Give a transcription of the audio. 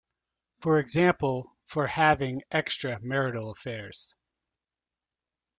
For example, for having extra-marital affairs.